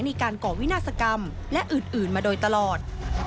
ก่อวินาศกรรมและอื่นมาโดยตลอด